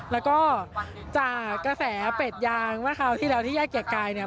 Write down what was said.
แล้วก็จากกระแสเป็ดยางเมื่อคราวที่แล้วที่แยกเกียรติกายเนี่ย